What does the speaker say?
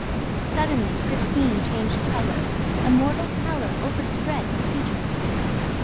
Suddenly Christine changed color. A mortal pallor overspread her features.